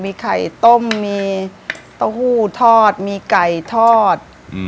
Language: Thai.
มีไข่ต้มมีเต้าหู้ทอดมีไก่ทอด